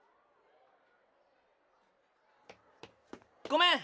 ごめん！